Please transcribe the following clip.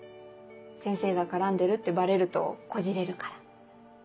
先生が絡んでるってバレるとこじれるから。